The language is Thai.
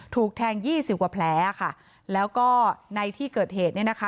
ถูกแทงยี่สิบกว่าแผลค่ะแล้วก็ในที่เกิดเหตุเนี่ยนะคะ